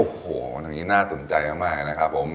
โอ้โหทางนี้น่าสนใจมากนะครับผม